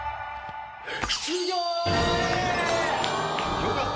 よかった。